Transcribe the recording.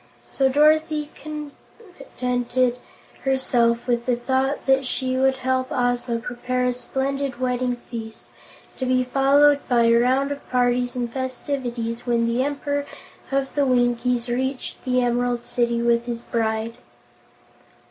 So Dorothy contented herself with the thought that she would help Ozma prepare a splendid wedding feast, to be followed by a round of parties and festivities when the Emperor of the Winkies reached the Emerald City with his bride.